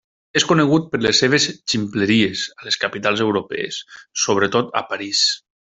És conegut per les seves ximpleries a les capitals europees, sobretot a París.